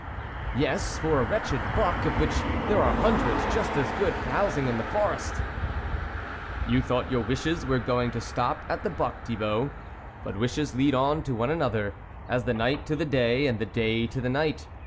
" "Yes, for a wretched buck, of which there are hundreds just as good browsing in the forest !"" You thought your wishes were going to stop at the buck, Thibault ; but wishes lead on to one another, as the night to the day, and the day to night.